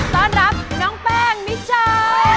ต้อนรับน้องแป้งนิชา